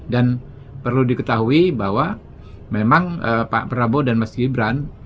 dan perlu diketahui bahwa memang pak prabowo dan mas gibran